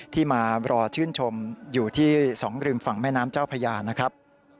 ที่มารอชื่นชมอยู่ที่๒ริมฝั่งแม่น้ำเจ้าพญานะครับ